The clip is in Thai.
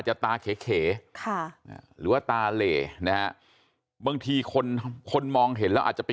จะตาเข๋หรือว่าตาเล่บางทีคนมองเห็นแล้วอาจจะไป